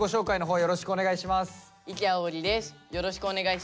よろしくお願いします。